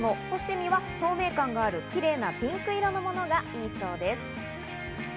身は透明感があるキレイなピンク色のものがいいそうです。